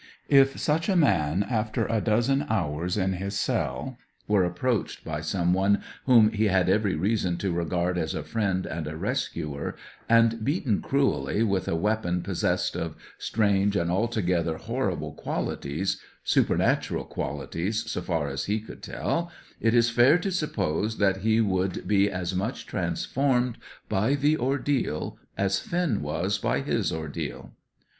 If such a man, after a dozen hours in his cell, were approached by some one whom he had every reason to regard as a friend and a rescuer, and beaten cruelly with a weapon possessed of strange and altogether horrible qualities supernatural qualities, so far as he could tell it is fair to suppose that he would be as much transformed by the ordeal as Finn was by his ordeal.